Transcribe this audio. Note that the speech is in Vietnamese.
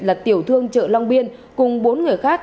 là tiểu thương chợ long biên cùng bốn người khác